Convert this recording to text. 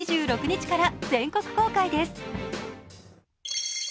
映画は８月２６日から全国公開です。